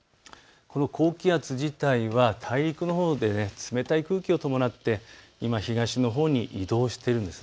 高気圧自体は大陸のほうで冷たい空気を伴って東のほうに移動しているんです。